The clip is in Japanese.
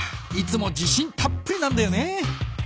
いつもじしんたっぷりなんだよね。